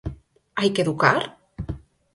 Hai que educar?